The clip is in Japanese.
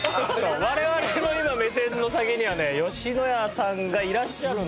我々の今目線の先にはね野家さんがいらっしゃるので。